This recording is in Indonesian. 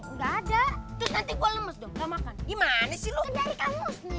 udah ada terus nanti gue lemes dong nggak makan gimana sih lo dari kamus nih